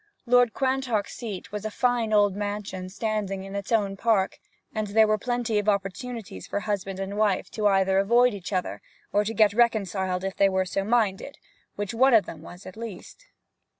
Lord Quantock's seat was a fine old mansion standing in its own park, and there were plenty of opportunities for husband and wife either to avoid each other, or to get reconciled if they were so minded, which one of them was at least.